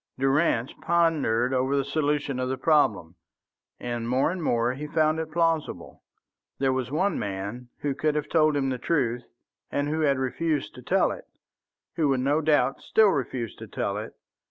Durrance pondered over the solution of the problem, and more and more he found it plausible. There was one man who could have told him the truth and who had refused to tell it, who would no doubt still refuse to tell it.